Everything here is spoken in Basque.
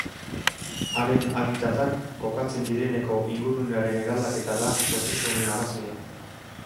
Haren habitatak kokatzen direneko ingurunearen eraldaketa da prozesu honen arrazoia.